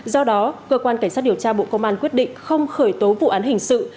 do đó cơ quan cảnh sát điều tra bộ công an quyết định không khởi tố vụ án hình sự